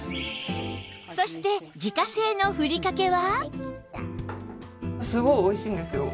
そして自家製のふりかけは？